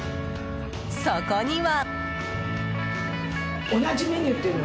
そこには。